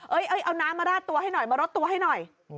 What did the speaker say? เอาน้ำมาราดตัวให้หน่อยมารดตัวให้หน่อย